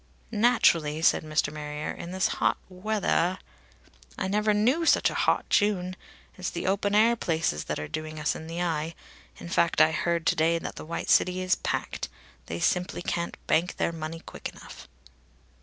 "Naturally," said Mr. Marrier. "In this hot weathah ! I never knew such a hot June! It's the open air places that are doing us in the eye. In fact I heard to day that the White City is packed. They simply can't bank their money quick enough."